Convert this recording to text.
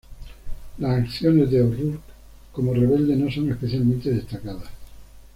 Las acciones de O'Rourke como rebelde no son especialmente destacadas.